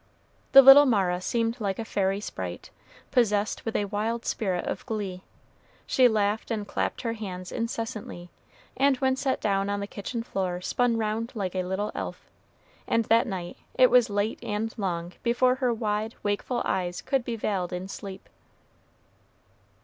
The little Mara seemed like a fairy sprite, possessed with a wild spirit of glee. She laughed and clapped her hands incessantly, and when set down on the kitchen floor spun round like a little elf; and that night it was late and long before her wide, wakeful eyes could be veiled in sleep.